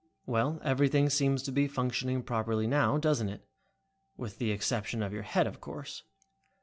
Well, everything seems to be functioning properly now, doesn't it? With the exception of your head, of course."